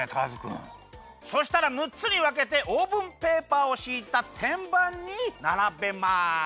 そしたらむっつにわけてオーブンペーパーをしいたてんばんにならべます。